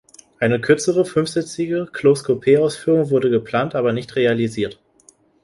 Eine kürzere, fünfsitzige „Close-Coupled“-Ausführung wurde geplant, aber nicht realisiert.